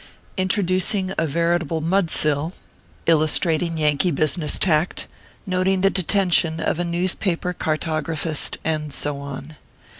INTRODUCING A VERITABLE " MUDSILL," "ILLUSTRATING YANKEE BUSI NESS TACT, NOTING THE DETENTION OF A NEWSPAPER CHARTO GRAPHIST, AND SO ON.